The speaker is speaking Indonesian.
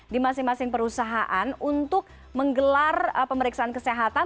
di masing masing perusahaan untuk menggelar pemeriksaan kesehatan